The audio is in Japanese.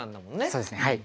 そうですねはい。